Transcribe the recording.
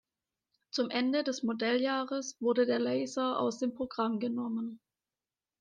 Zum Ende des Modelljahres wurde der Laser aus dem Programm genommen.